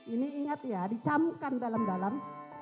ini ingat ya dicamukkan dalam dalam